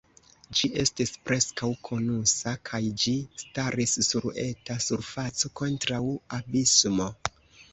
Ĝi estis preskaŭ konusa, kaj ĝi staris sur eta surfaco, kontraŭ abismo.